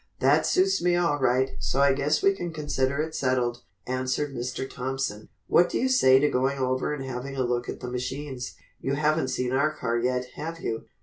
"That suits me all right, so I guess we can consider it settled," answered Mr. Thompson, "what do you say to going over and having a look at the machines? You haven't seen our car yet, have you?"